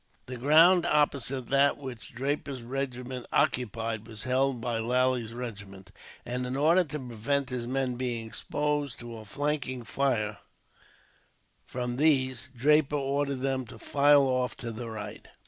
The ground opposite that which Draper's regiment occupied was held by Lally's regiment, and in order to prevent his men being exposed to a flanking fire from these, Draper ordered them to file off to the right.